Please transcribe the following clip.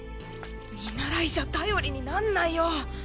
見習いじゃ頼りになんないよ。